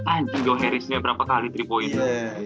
anjing joe harrisnya berapa kali tiga points